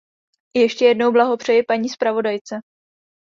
Ještě jednou blahopřeji paní zpravodajce.